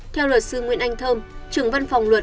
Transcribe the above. theo luật sư nguyễn anh thơm trưởng văn phòng luật